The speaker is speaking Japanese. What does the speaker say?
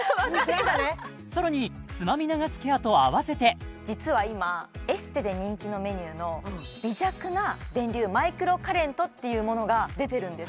何かねさらにつまみ流すケアと併せて実は今エステで人気のメニューの微弱な電流マイクロカレントっていうものが出てるんです